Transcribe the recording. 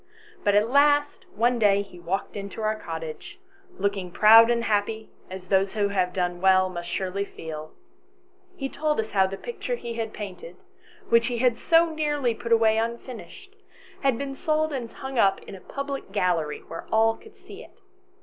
But at last one day he walked into our cottage, looking proud and happy, as those who have done well must surely feel. He told us how the picture he had painted, which he had so nearly put away unfinished, had been sold and hung up in a public gallery, where all could see it.